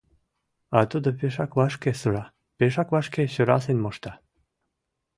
А тудо пешак вашке сыра, пешак вашке сӧрасен мошта.